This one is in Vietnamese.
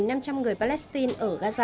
trong đó có hơn bốn người palestine ở gaza